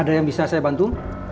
ada yang bisa saya bantu